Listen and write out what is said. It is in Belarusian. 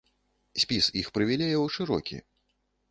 Спіс іх прывілеяў шырокі.